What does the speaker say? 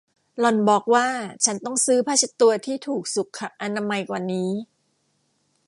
หล่อนบอกว่าฉันต้องซื้อผ้าเช็ดตัวที่ถูกสุขอนามัยกว่านี้